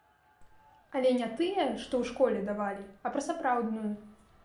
Але не тыя, што ў школе давалі, а пра сапраўдную.